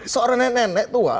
seorang nenek nenek tua